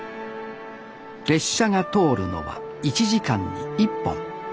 列車が通るのは１時間に１本。